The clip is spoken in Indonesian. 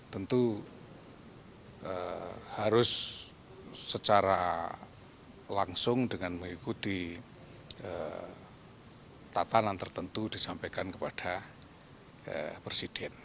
tentu harus secara langsung dengan mengikuti tatanan tertentu disampaikan kepada presiden